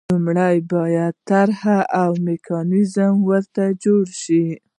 لومړی باید طرح او میکانیزم ورته جوړ شي.